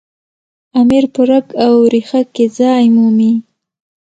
امیر په رګ او ریښه کې ځای مومي.